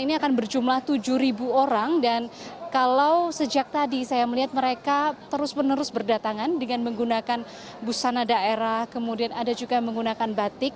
ini akan berjumlah tujuh orang dan kalau sejak tadi saya melihat mereka terus menerus berdatangan dengan menggunakan busana daerah kemudian ada juga yang menggunakan batik